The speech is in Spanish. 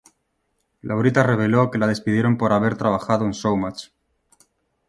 Laurita reveló que la despidieron por haber trabajado en Showmatch.